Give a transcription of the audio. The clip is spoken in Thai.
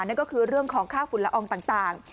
นั่นก็คือเรื่องของค่าฝุ่นละอองต่าง